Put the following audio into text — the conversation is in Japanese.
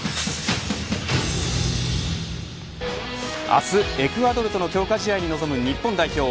明日、エクアドルとの強化試合に臨む日本代表。